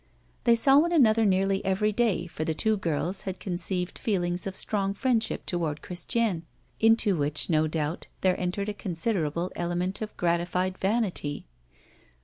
They saw one another nearly every day, for the two girls had conceived feelings of strong friendship toward Christiane, into which, no doubt, there entered a considerable element of gratified vanity.